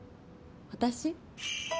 私？